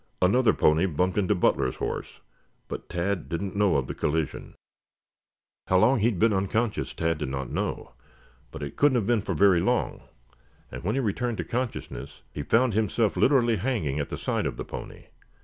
Another pony bumped into Butler's horse, but Tad did not know of the collision. How long he had been unconscious, Tad did not know, but it could not have been for very long, and when he returned to consciousness he found himself literally hanging at the side of the pony.